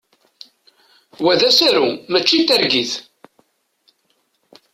Wa d asaru mačči d targit!